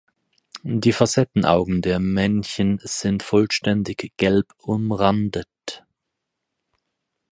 Die Facettenaugen der Männchen sind vollständig gelb umrandet.